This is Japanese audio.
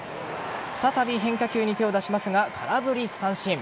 再び変化球に手を出しますが空振り三振。